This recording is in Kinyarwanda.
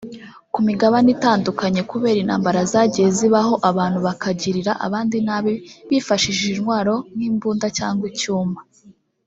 ku migabane itandukanye kubera intambara zagiye zibaho abantu bakagirira abandi nabi bifashishije intwaro nk’imbunda cyangwa icyuma